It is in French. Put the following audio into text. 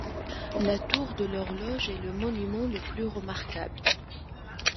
La tour de l'horloge est le monument le plus remarquable.